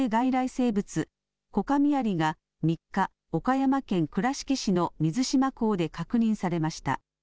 生物、コカミアリが３日、岡山県倉敷市の水島港で確認されました。